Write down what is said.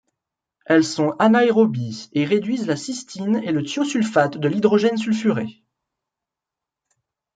Elles sont anaérobies et réduisent la cystine et le thiosulfate de l'hydrogène sulfuré.